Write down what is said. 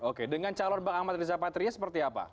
oke dengan calon bang ahmad riza patria seperti apa